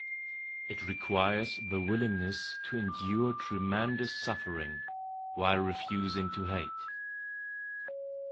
It requires the willingness to endure tremendous suffering while refusing to hate.